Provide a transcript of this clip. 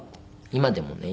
今でもね